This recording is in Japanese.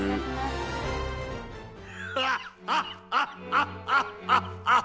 ハッハッハッハハッハッハ！